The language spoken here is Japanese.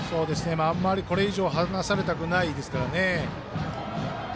これ以上離されたくないですからね。